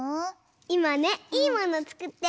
いまねいいものつくってるの。